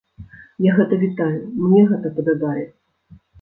Я гэта вітаю, мне гэта падабаецца.